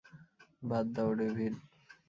বাদ দাও, ডেভিড!